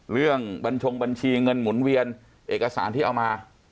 บัญชงบัญชีเงินหมุนเวียนเอกสารที่เอามา